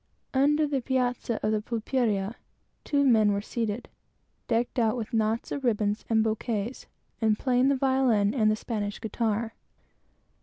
Under the piazza of a "pulperia," two men were seated, decked out with knots of ribbons and bouquets, and playing the violin and the Spanish guitar.